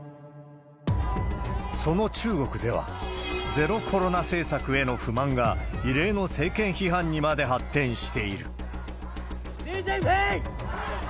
その中国では、ゼロコロナ政策への不満が、異例の政権批判にまで発展している。